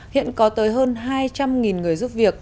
hiện có tới hơn hai trăm linh người giúp việc